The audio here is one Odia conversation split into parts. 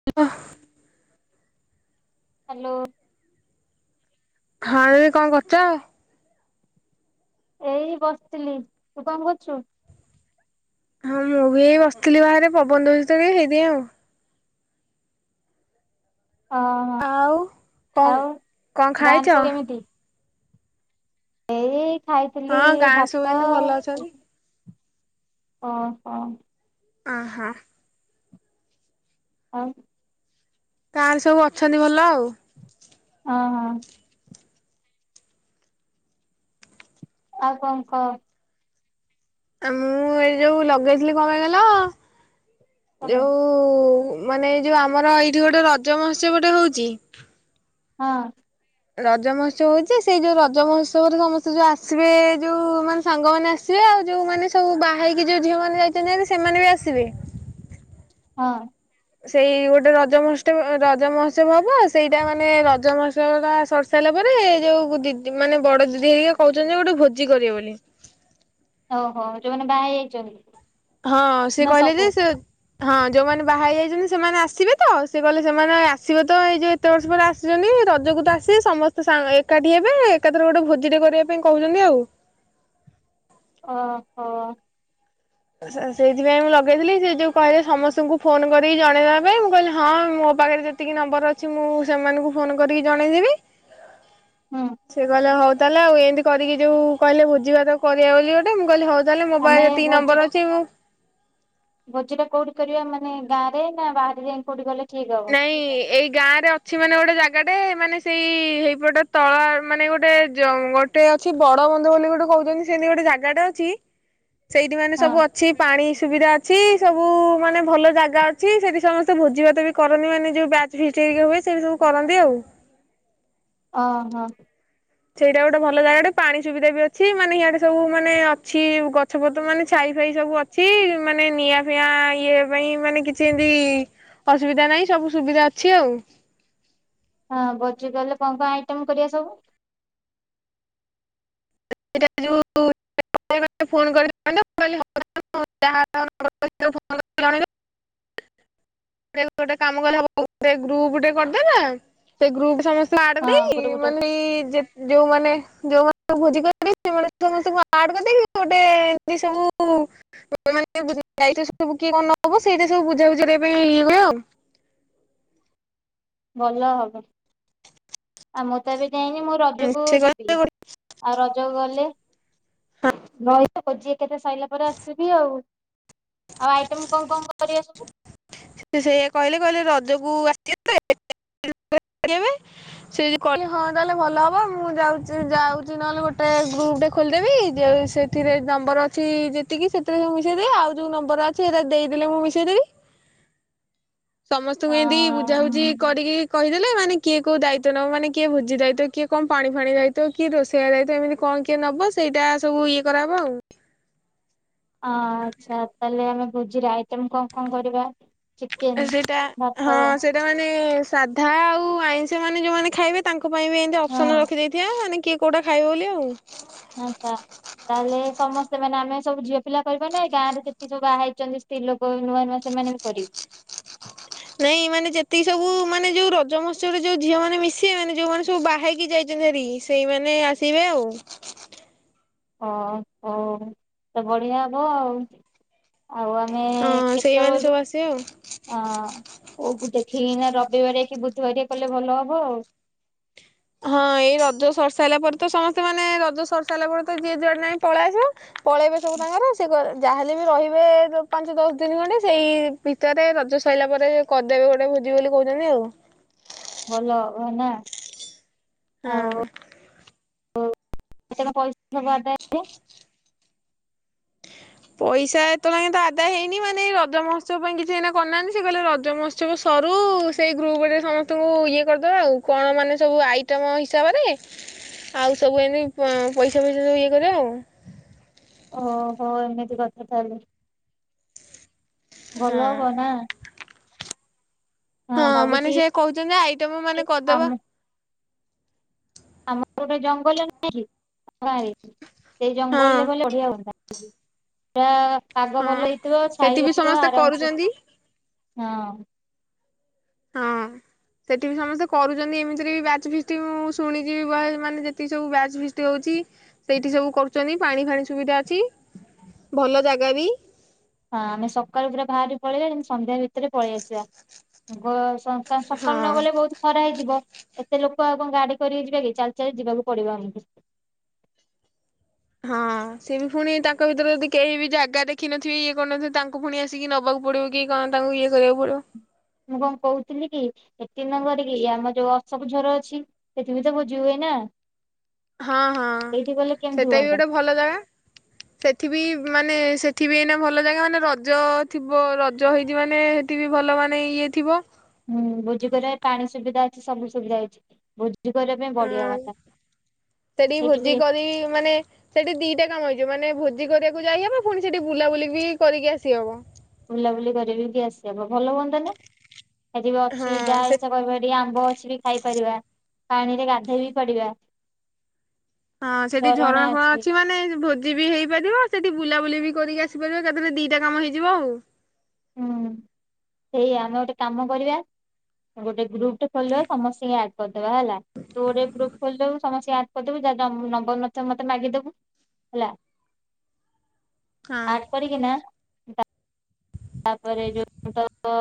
[unintelligible] ହାଲୋ। ହଁ ଦିଦି କଣ କରୁଚ? ଏଇ ବସିଥିଲି। ତୁ କଣ କରୁଚୁ? ହଁ ମୁଁ ବି ଏଇ ବସିଥିଲି ବାହାରେ, ପବନ ଦୋଉଚି ତ ଏଇ ହେଇଥିପାଇଁ ଆଉ। ହଁ ହଁ ଆଉ କଣ ଆଉ କଣ ଗାଁରେ ଖାଇଚ? ସବୁ କେମିତି ଏଇ ଖାଇଥିଲି ହଁ ଗାଁରେ ସବୁ ଭାତ ଏମିତି ଭଲ ଅଛନ୍ତି। ଅ ହ। ଅ ହଁ। [unintelligible] ଗାଁ ରେ ସବୁ ଅଛନ୍ତି ଭଲ ଆଉ। ଅ ହଁ। ଆଉ କଣ କହ? ଆ ମୁଁ ଏ ଯୋଉ ଲଗେଇଥିଲି କଣ ପାଇଁ କହିଲ କହ ଯୋଉ ଉ ମାନେ ଏଇ ଯୋଉ ଆମର ଏଇଠି ଗୋଟେ ରଜ ମହୋତ୍ସବ ଟେ ହଉଚି। ହଁ। ରଜ ମହୋତ୍ସବ ହଉଚି ଯେ ସେଇ ଯୋଉ ରଜ ମହୋତ୍ସବରେ ସମସ୍ତେ ଯୋଉ ଆସିବେ ଯୋଉ ମାନେ ସାଙ୍ଗମାନେ ଆସ ଆସିବେ ଆଉ ଯୋଉମାନେ ସବୁ ବାହାହେଇକି ଯୋଉ ଝିଅ ମାନେ ଯାଇଛନ୍ତି ଭାରି ସେମାନେ ବି ଆସିବେ। ହଁ। ସେଇ ଗୋଟେ ରଜ ମହୋତ୍ସବଅ ରଜ ମହୋତ୍ସବ ହବ ସେଇଟା ମାନେ ରଜ ମହୋତ୍ସବ ଟା ସ ସାରିଲା ପରେ ଯୋଉ ଦିଦି ମାନେ ବଡ଼ ଦିଦି ହେରିକି କହୁଛନ୍ତି ଗୋଟେ ଭୋଜି କରିବେ ବୋଲି। ଓହୋ ଯୋଉମାନେ ବାହା ହେଇ ଯାଇଛନ୍ତି। ହଁ ସେ କହିଲେ ଯେ ସେ ହଁ ଯୋଉମାନେ ବାହା ହେଇ ଯାଇଛନ୍ତି ସେମାନେ ଆସିବେ ତ ସେ କହିଲେ ସେମାନେ ଆସିବେ ତ ଏଇ ଯେ କେତେ ବର୍ଷ ପରେ ଆସିଛନ୍ତି ରଜକୁ ତ ଆସିବେ ସମସ୍ତେ ସା ଏକାଠି ହେବେ ଏକାଥରେ ଗୋଟେ ଭୋଜିଟେ କରିବା ପାଇଁ କହୁଛନ୍ତି ଆଉ ଓହୋ। ସେ-ସେଇଥିପାଇଁ ମୁଁ ଲଗେଇଥିଲି ସେ ଯୋଉ କହିଲେ ସମସ୍ତଙ୍କୁ ଫୋନ କରିକି ଜଣେଇଦବା ପାଇଁ ମୁଁ କହିଲି ହଁ ମୋ ପାଖରେ ଯେତି ଏତିକି ନମ୍ବର ଅଛି ମୁଁ ସେମାନଙ୍କୁ ଫୋନ କରିକି ଜଣେଇଦେବି। ହୁଁ। ସେ କହିଲେ ହଉ ତାହେଲେ ଆଉ ଏମିତି କରିକି ଯୋଉ କହିଲେ ଭୋଜି ଭାତ କରିବା ବୋଲି ଗୋଟେ ମୁଁ କହିଲି ହଉ। ତାହେଲେ ମୋ ଆମେ ପାଖରେ ରେ ଯେତିକି ଭୋଜିଟା ନମ୍ବର ଅଛି ମୁଁ ଭୋଜିଟା କୋଉଠି କରିବା ମାନେ ଗାଁରେ ନା ବାହାରାରେ ଯାଇ କୋଉଠି କଲେ ଠିକ ହବ ନାଇଁ ଏଇ ଗାଁ ରେ ଅଛି ମାନେ ଗୋଟେ ଜାଗାଟେ ମାନେ ସେଇ ହେଇପଟେ ତଳ ମାନେ ଗୋଟେ ଜଙ୍ଗ ଗୋଟେ ଅଛି ବଡ ବନ୍ଧ ବୋଲି ଗୋଟେ କହୁଛନ୍ତି ସେମିତି ଗୋଟେ ଜାଗାଟା ଅଛି। ସେଇଠି ମାନେ ସବୁ ହଁ ଅଛି ପାଣି ସୁବିଧା ଅଛି ସବୁ ମାନେ ଭଲ ଜାଗା ଅଛି ସେଠି ସମସ୍ତେ ଭୋଜି ଭାତ ବି କରନ୍ତି ମାନେ ଯୋଉ ବ୍ୟାଚ୍ ଭିଷ୍ଟ ହେରିକା ହୁଏ ସେ ସବୁ କରନ୍ତି ଆଉ। ଓହୋ। ସେଇଟା ଗୋଟେ ଭଲ ଜାଗା ଗଟେ ପାଣି ସୁବିଧା ବି ଅଛି ମାନେ ଇଆଡେ ସବୁ ମାନେ ଅଛି ଗଛ ପତ୍ର ମାନେ ଛାଇ ଫାଇ ସବୁ ଅ ଛି ମାନେ ନିଆଁ ଫିଆଁ ଇଏ ପାଇଁ ମାନେ କିଛି ଏମତି ଅସୁବିଧା ନାହିଁ ସବୁ ସୁବିଧା ଅଛି ଆଉ। ହଁ ଭୋଜିଗଲେ କଣ କଣ ଆଇଟମ କରିବା ସବୁ? ସେଇଟା ଯେଉଁ ଫୋ [unintelligible] [unintelligible] [unintelligible] ଗୋଟେ କାମ କଲେବ ଗୋଟ ଗ୍ରୁପଟେ କରିଦେଲା ସେ ଗ୍ରୁପ ସମେ ନାଁଟା ହଁ ଦେଇକି ଗୋଟେ ଗୋଟେ ମାନି ଯି ଯେ ଯୋଉମାନେ ଯୋଉମାନେ ଭୋଜି କ ସମସ୍ତଙ୍କୁ ଆଡ କରିଦେଇକି ଗୋଟେ ଏମତି ସବୁ ତ ଯାଇଛ ସବୁ କିଏ କଣ ହବ ସେଇଟା ସବୁ ବୁଝା ବୁଝି କରିବା ପାଇଁ ଇ ହୁଏ ଆଉ। ଭଲ ହବ ଆଉ ମୁଁ ତ ଏବେ ଯାଇନି ମୁଁ ରଜକୁ ସେ ଯିବି। କହିଲେ ଆଉ ରଜକୁ ଗଲେ ରହିବି [unintelligible] ଭୋଜି ଏକାଥରେ ସାଇଲା ପରେ ଆସିବି ଆଉ। ଆଉ ଆଇଟମ୍ କଣ କଣ କରିବା ସବୁ? ସେ ସେୟା କହିଲେ କହିଲେ ରଜକୁ ଆ [unintelligible] ସେ ଯଦି କହିବେ ହଁ ତାହେଲେ ଭଲ ହବ ମୁଁ ଯାଉଛି ଯାଉଛି ନହେଲେ ଗୋଟେ ଗ୍ରୁପଟେ ଖୋଲିଦେବି ଯଉ ସେ ଏଥିରେ ନମ୍ବର ଅଛି ଯେତିକି ସେଥିରେ ସବୁ ମିଶେଇ ଦେବି ଆଉ ଯେଉଁ ନମ୍ବର ଅଛି ସେଇଟା ଦେଇଦେଲେ ମୁଁ ମିଶେଇ ଦେବି। ସମସ୍ତଙ୍କୁ ଏମତି ହଁ ବୁଝାବୁଝି କରିକି କହିଦେଲେ ମାନେ କିଏ କୋଉ ଦାୟିତ୍ୱ ନବ ମାନେ କିଏ ଭୋଜି ଦାୟିତ କିଏ କଣ ପାଣି ଫାଣି ଦାୟିତ କିଏ ରୋଷେଇବା ଦାୟିତ ଏମିତି କଣ କିଏ ନବ ସେଇଟା ସବୁ ଇଏ କରାହବ ଆଉ। ଆଁ ଆଚ୍ଛା ତାହେଲେ ଆମେ ବୁଜିରେ ଆଇଟମ କଣ କଣ କରିବା? ଚିକେନ ସେଇଟା ଭାତ ହଁ ସେଇଟା ମାନେ ସାଧା ଆଉ ଆଇଁଷ ମାନେ ଯୋଉମାନେ ଖାଇବେ ତାଙ୍କ ପାଇଁ ବି ଏମିତି ହଁ ଅପସନ ରଖିଦେଇଥିବା ମାନେ କିଏ କୋଉଟା ଖାଇବ ବୋଲି ଆଉ। ଆଛା ତାହେଲେ ସମସ୍ତେ ମାନେ ଆମେ ସବୁ ଝିଅ ପିଲା କରିବା ନାାଇ ଗାଁ ରେ ଯେତିକ ସବୁ ବାହା ହେଇଛନ୍ତି ସି ଲୋକ ନୂଆ ନୂଆ ସେମାନେ ବି କରିବେ। ନାଇଁ ମାନେ ଯେତିକି ସବୁ ମାନେ ଯୋଉ ରଜ ମହସ୍ୟରେ ଯୋଉ ଝିଅ ମେ ମିଶିବେ ମାନେ ଯୋଉମାନେ ସବୁ ବାହା ହେଇକି ଯାଇ ନେରି ସେଇମାନେ ଆସିବେ ଆଉ। ଓ ହଉ ତ ବଢିଆ ହବ ଆଉ। ଆଉ ଆମେ ହଁ ସେଇମାନେ କେତେଳୁ ସବୁ ଆସିବେ ଆଉ। ହଁ କୋଉ ଦେଖିକିନା ରବିବାର କି ବୁଧବାର କଲେ ଭଲ ହବ ଆଉ। ହଁ ଏଇ ରଜ ସରର୍ସାଇଲା ପରେ ତ ସମସ୍ତେ ମାନେ ରଜ ସର୍ସାଇଲା ପରେ ତ ଯିଏ ଯୁଆଡେ ନାଇଁ ପଳେଇ ଆସିବ। ପଳେଇବେ ସବୁ ତାଙ୍କର ସେ ଯାହାହେଲେ ବି ରହିବେ ପାଞ୍ଚ ଦଶ ଦିନ ଖଣ୍ଡେ ସେଇ ଭିତରେ ରଜ ସରିଲା ପରେ କଦେବୀ ଗୋଟେ ଭୋଜି ବୋଲି କହୁଛନ୍ତି ଆଉ। ଭଲ ହେନା ହଁ। ଆଉ [unintelligible] ପଇସା ଏତଲଙ୍କେ ଆଦା ହେଇନି ମାନେ ରଜ ମହୋସବ ପାଇଁ କିଛି ସେଇନା କରିନାହାନ୍ତି। ସେ କହିଲେ ରଜହତ୍ସବ ସବୁ ସରୁ ସେଇ ଗ୍ରୁପରେ ସମସ୍ତଙ୍କୁ ଇଏ କରିଦବା ଆଉ କଣ ମାନେ ସବୁ ଆଇଟମ ହିସାବରେ ଆଉ ସବୁ ଏମି ପଇସା ଫଇସା ସବୁ ଇଏ କରେ ଆଉ। ଓହୋ ଏମିତି କଥା ତାହେଲେ ହଁ। ଭଲ ହବ ନା। ହଁ ମାନେ ସେ କହୁଛନ୍ତି ଆଇଟମ ମାନେ କରିଦବା। ଆମ ଆମର ଗୋଟେ ଜଙ୍ଗଲଁ ରେ ସେଇ ଜଙ୍ଗଲରେ ହଁ ଗଲେ ବଢିଆ ହୁନ୍ତା। ପା ସାଗ ହଁ। ଭଲ ହେଇଥିବ। ସେଠି ଛାଇ ବି ହେଥିବ ସମସ୍ତେ ଆରାମସେ କରୁଛନ୍ତି ହଁ। ହଁ। ସେଠି ବି ସମସ୍ତେ କରୁଛନ୍ତି। ଏମିତିରେ ବି ବ୍ୟାଚ୍ ଫିଷ୍ଟି ମୁଁ ଶୁଣିଛି ବ ମାନେ ଯେତିକି ସବୁ ବ୍ୟାଚ୍ ଫିଷ୍ଟି ହଉଛି। ସେଇଠି ସବୁ କରୁଛନ୍ତି। ପାଣି ଫାଣି ସୁବିଧା ଅଛି ଭଲ ଜାଗା ବି। ହଁ ଆମେ ସକାଳୁ ପୁରା ବାହାରି ପଳେଇବା ସନ୍ଧ୍ୟା ଭିତରେ ପଳେଇ ଆସିବା। ଗସ ସକାଳୁ ନ ହଁ। ଗଲେ ବହୁତ ଖରା ହେଇଯିବ ଏତେ ଲୋକ ଆଉ କଣ ଗାଡି କରିକି ଯିବେ କି ଚାଲି ଚାଲି ଯିବାକୁ ପଡିବ ଆମକୁ। ହଁ ସ ବି ପୁଣି ତାଙ୍କ ଭିତରେ ଯଦି କେହି ବି ଜାଗା ଦେଖିନଥିବେ ଇଏ କରୁନଥିବ ତାଙ୍କୁ ପୁଣି ଆସି କିିକି ନେବାକୁ ପଡିବ କି କଣ ତାଙ୍କୁ ଇଏ କରିବାକୁ ପଡିବ। ମୁଁ କଣ କହୁଥିଲି କି ଏତି ନ କରରିକି ଆମର ଯୋଉ ଅଶୋକ ଝର ଅଛି। ସେଠିବି ତ ଭୋଜି ହୁଏ ନା। ହଁ ହଁ ସେଇଠି ଗଲେ କେମିତି ସେଟା ବି ହୁଅନ୍ତା ଗୋଟେ ଭଲ ଜାଗା। ସେଠ ବି ମାନେ ସେଠ ବି ଏଇନା ଭଲ ଜାଗା। ମାନେ ରଜ ଥିବ ରଜ ହେଇଛି ମାନେ ଟିଭି ଭଲ ମାନ ଇଏ ଥିବ। ହୁଁ ଭୋଜି କରେ ପାଣି ସୁବିଧା ଅଛି। ସବୁ ସୁବିଧା ଅଛି ଭ [unintelligible] ଆଁ ସେଠି ସେଇଠି ବି ଭୋଜି କରି ମାନେ ସେଠି ଦିଟା କାମ ହେଇଯିବ। ମାନେ ଭୋଜି କରିବାକୁ ଯାଇହବ। ପୁଣି ସେଠି ବୁଲାବୁଲି ବି କରିକି ଆସିହବ। ବୁଲାବୁଲି କରିକି ଆସିହବ ଭଲ ହୁଅନ୍ତା ନା। ଏଠି ଅଛି ହଁ ଯାହା ସେ ଇଚ୍ଛା କର ଟିକେ ଆମ୍ବ ଅଛି ବି ଖାଇପାରିବା ପାଣିରେ ଗାଧୋଇ ବିି ପଡିଵା। ହଁ ସେଠି ଝରଣା ଫରଣା ଅଛି ମାନେ ଭୋ ବି ହେଇପାରିବ ସେଠି ବୁଲାବୁଲି ବି କରିକି ଆସିପାରିବ। ତାହରେ ଦିଟା କାମ ହେଇଯିବ ଆଉ। ହୁଁ ସେୟା ଆମେ ଗୋଟେ କାମ କରିବା। ଗୋଟେ ଗୁପ ଟ ଖୋଲିବା ସମସ୍ତେ ଆଡ କରିଦବା ହେଲା। ତୁ ଗୋଟେ ଗ୍ରୁପ ଖୋଲିଦବୁ ସମସ୍ତେ କରିଦବୁ ଯା ନମ୍ବର ନଥିବ ମତେ ମାଗିଦବୁ। ହେଲା। [inaudible] ଆଡ ତାରିକି ନା ତାପରେ ଯୋଉ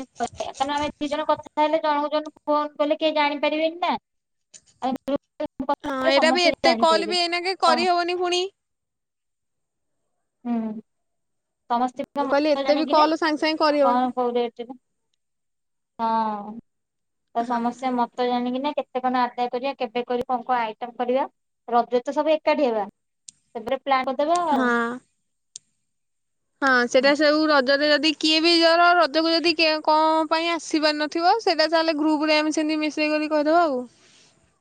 ସେ କାରଣ ଆମେ ଦି ଜଣ କଥା ହେଲେ ଜଣ ଜଣଙ୍କୁ ଫୋନ କଲେ କେହି ଜାଣିପାରିବେନି ନା। ଆମେ ଗ୍ରୋପଟେ କଥା ହଁ ହେଲେ ସମସ୍ତେ ଜାଣିପାରିବେ। ପଣି ପୁଣି ହୁଁ। ସମସ୍ତ ମୁଁ କହିଲି ମତ ଏତେ ବି ଜାଣିକିନା କଲ୍ ସାଙ୍ଗେ ସାଙ୍ଗେ କଣ କରିହବନି କୋଉ ରେଟ ରେ ହଁ ତ ହଁ ସମସ୍ତେ ମତ ଜାଣିକିନା କେ ସେମାନେ ଆଦାୟ କରିବା କେବେ କର କଣ କଣ ଆଇଟମ କରିବା ରଜ ତ ସବୁ ଏକାଠି ହେବା। ସେଥି ପ୍ଲାନ୍ କରିଦବା ଆଉ। ହଁ ହଁ ସେଟା ସବୁ ର ଯରେ ଯଦି କିଏ ବି ଜର ରଜକୁ ଯଦି କଣ ପାଇଁ ଆସିିବାର ନଥିବ ସେଇଟା ତା ହେଲେ ଗ୍ରୁପ୍ରରେ ଆମେ ସେମିତି ମି ସେ କରି କହିଦେବ ଆଉ?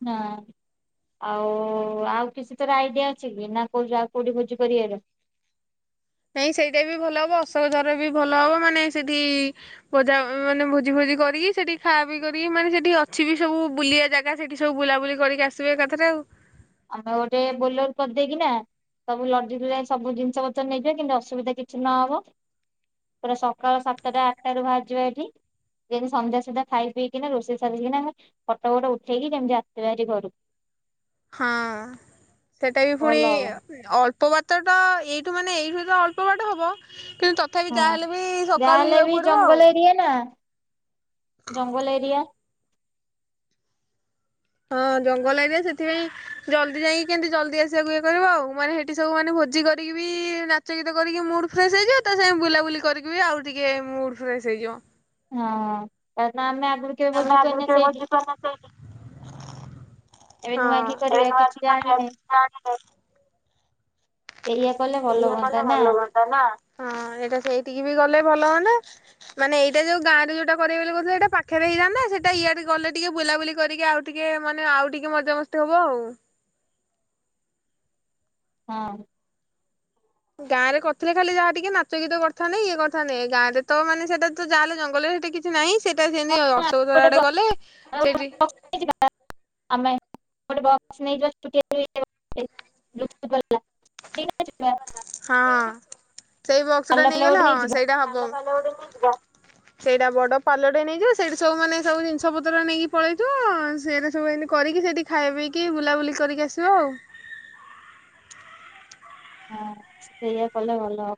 ନାଁ। ଆଉ ଆଉ କିଛି ତୋର ଆଇଡିଆ ଅଛି କି ନା କୋଉ ଆଉ କୋଉଠି ଭୋଜି କରିବାର? ନାଇଁ ସେଇଟା ବି ଭଲ ହବ ଅଶୋକ ଜର ବି ଭଲ ହବ ମାନେ ସେଠି ବୋଜା ମାନେ ଭୋଜି ଭୋଜି କରିକି ସେଠି ଖାଅ ପିଇ କରିକି ମାନେ ସେଠି ଅଛି ବି ସବୁ ବୁଲିିବା ଜାଗା ସେଠି ସବୁ ବୁଲାବୁଲି କରିକି ଆସିବେ ଏକାଥରେ ଆଉ। ଆମେ ବା ଗୋଟେ ବୋଲର କରିଦେଇକି ନା ସବୁ ଲଦି ଯାଇ ସବୁ ଜିନିଷ ପତ୍ର ନେଇଯିବା କିନ୍ତୁ ଅସୁବିଧା କିଛି ନହବ। ପୁରା ସକାଳ ସାତଟା ଆଠଟାରୁ ବାହାରଯିବା ଏଠି। ଯେମିତି ସନ୍ଧ୍ୟା ସୁଧା ଖାଇ ପିଇକିନା ରୋଷେଇ ସାରିକିନା ଆମେ ଫଟ ଫଟ ଉଠେଇକି କେମିତି ଆସିବ ହେରି ଘରକୁ। ହଁ ସେଇଟା ବି ଫୁଣି ଭଲ ହବ ଅଳ୍ପ ବାଟ ତ ଏଇଠୁ ମାନେ ଏଇଠୁ ତ ଅଳ୍ପ ବାଟ ହବ କିନ୍ତୁ ତଥାପି ହଁ ଯାହାହେଲେ ବି ସକାଳୁ ଯାହାହେଲେ ଯିବାକୁ ବି ପଡିବ ଆଉ ଜଙ୍ଗଲ ଏରିଆ ନା ଜଙ୍ଗଲ ଏରିଆ। ହଁ ଜଙ୍ଗଲ ଏରିଆ ସେଥିପାଇଁ ଜଲଦି ଯାଇକି କେମିତି ଜଲଦି ଆସିବାକୁ ଇଏ କରିବ ଆଉ ମାନେ ଏଠି ସବୁ ମାନେ ଭୋଜି କରିକି ବି ନାଚ ଗୀତ କରିକି ମୁଡ ଫ୍ରେସ୍ ହେଇଯିବ ତା ସାଙ୍ଗେ ବୁଲାବୁଲି କରିକି ବି ଆଉ ଟିକେ ମୁଡ ଫ୍ରେସ୍ ହେଇଯିବ। ହଁ କାରଣ ଆମେ ଆଗରୁ କେବେ ଆମେ ଭୋଜି ଆଗରୁ କରିନେ କେବେ ସେଇଠି। ଭୋଜି କରିନଥିଲେ ଏବେ ନୂଆ କି ଏବେ କରିବା ନୂଆ କି କିଛି କରିବା ଜଣିନେ। ପିଠା ଆଣିଲେ ସେୟା କଲେ ଭଲ ଏଇଆ କଲେ ହୁଅନ୍ତା ନା। ଭଲ ହଁ ହୁଅନ୍ତା ସେଇଟା ସେଇଠିକି ବି ଗଲେ ଭଲ ହୁଅନ୍ତା। ମାନେ ଏଇଟା ଯଉ ଗାଁରେ ଜଉଟା କରିବି ବୋଲି କହୁଥିଲେ ସେଇଟା ପାଖରେ ହେଇଥାଆନ୍ତା। ସେଟା ଇଆଡେ ଗଲେ ଟିକେ ବୁଲାବୁଲି କରିକି ଆଉ ଟିକେ ମାନେ ଆଉ ଟିକେ ମଜାମସ୍ତି ହବ ଆଉ। ହଁ। ଗାଁରେ କରିଥିଲେ ଖାଲି ଯାହା ଟିକେ ନାଚ ଗୀତ କରିଥାନ୍ତେ ଇଏ କରିଥାନ୍ତେ ଗାଁରେ ତ ମାନେ ସେଟା ତ ଯାହାହଲେ ଜଙ୍ଗଲରେ ସେଟି ନାଇଁ ସେଟା ହଁ ସେମତି ଅଶୋକଧରା ଆମେ ଆଡେ ଗୋଟେ ଗଲେ ସେଇଠି [unintelligible] ଆମେ ଗୋଟେ ବକ୍ସ ନେଇଯିବା [inaudible] [inaudible] ହଁ ସେଇ ବକ୍ସ ଟା ପାଲ ଫାଲ ଗୋଟେ ନେଇଗଲା ହଁ ନେଇଯିବା ସେଇଟା ହବ। ସେଇଟା ବଡ ପାଲ ଟେ ନେଇଯିବ ସେଇଠି ସବୁମାନେେ ସବୁ ଜିନିଷ ପତ୍ର ନେଇକି ପଳେଇଥିବ ସେରା ସବୁ ଏମିତି କରିକି ସେଠି ଖାଇ ପିଇକି ବୁଲାବୁଲି କରିକି ଆସିବ ଆଉ। ହଁ ସେଇଆ କଲେ ଭଲ।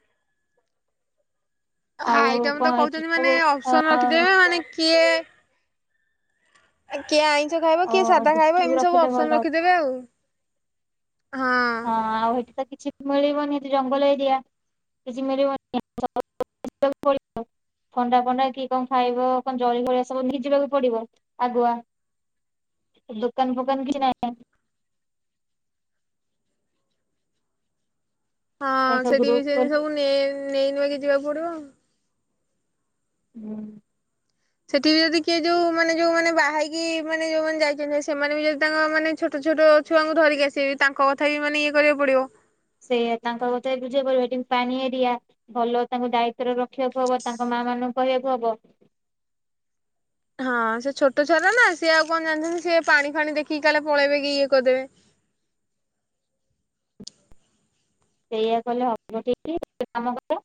ଆଉ ଆଇଟାମ ତ କଣ ଏଠି କହୁଛନ୍ତି ସବୁ ମାନେ ଅ ଅପସନ ରଖିଦେବେ ମାନେ କିଏ? କିଏ ଆଇଁଷ ଖାଇବ, ଅ କିଏ ସାଧା ଖାଇବ ଗୁପଚୁପ ଏମିତି ସବୁ ରଖିଲେ ଭଲ ଅପସନ ହବ। ରଖିଦେବେ ଆଉ। ହଁ ଆଉ ସେଠି ତ କିଛି ମିଳିବନି ସେଠି ଜଙ୍ଗଲ ଏରିଆ। [unintelligible] ଥଣ୍ଡା ଫଣ୍ଡା କି କଣ ଖାଇବ କଣ ଜଳି ଭଳିଆ ସବୁ ନେଇଜିବାକୁ ପଡିବ ଆଗୁଆ? ଦୁକାନ ଫୁୋକାନ କିଛି ନାଇଁ। ହଁ ଏ ସବୁ ସେଠି ଗ୍ରୁପ ବି ସେ ଖୋଲି ସବୁ ନେ ନେଇନକି ଯିବାକୁ ପଡିବ। ହୁଁ। ସେଠି ବି ଯଦି କିଏ ଯୋଉ ମାନେ ଯୋଉ ମାନେ ବାହାହେଇକି ମାନେ ଯୋଉମାନେ ଯାଇଛନ୍ତି, ସେମାନେ ବି ଯଦି ତାଙ୍କ ମାନେ ଛୋଟ ଛୋଟ ଛୁଆଙ୍କୁ ଧରିକି ଆସିବେ ତାଙ୍କ କଥା ବି ମାନେ ଇଏ କରିବାକୁ ପଡ଼ିବ। ସେୟା ତାଙ୍କ କଥା ବୁଝିଆକୁ ପରିବ ଏଠି ପାନି ଏରିଆ। ଭଲ ତାଙ୍କୁ ଦାୟିତ୍ଵରେ ରଖିବାକୁ ହବ ତାଙ୍କ ମା ମାନଙ୍କୁ କହିବାକୁ ହବ। ହଁ ସେ ଛୋଟ ଛୁଆଟା ନା ସିଏ ଆଉ କଣ ଜାଣିଛନ୍ତି ସିଏ ପାଣି ଫାଣି ଦେଖିକି କାଳେ ପଳେଇବେ କି ଇଏ କରିଦେବେ। ସେଇଆ କଲେ ହେବ ଠିକ କାମ କର।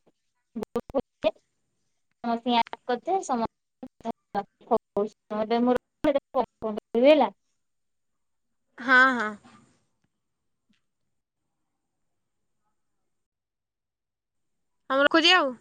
[inaudible] ସମସ୍ତେ ୟ କରିଥା ସମସ୍ତେ [inaudible] ହେଲା। ହଁ ହଁ। ଆମର ଖୋଜିଆ ଆଉ।